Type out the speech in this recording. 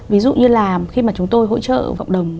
ví dụ như là khi mà chúng tôi hỗ trợ cộng đồng